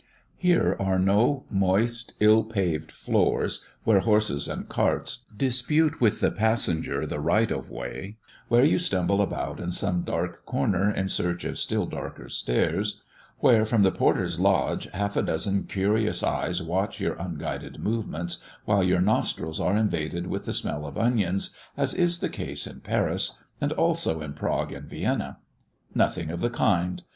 Here are no moist, ill paved floors, where horses and carts dispute with the passenger the right of way; where you stumble about in some dark corner in search of still darker stairs; where, from the porter's lodge, half a dozen curious eyes watch your unguided movements, while your nostrils are invaded with the smell of onions, as is the case in Paris, and also in Prague and Vienna. Nothing of the kind.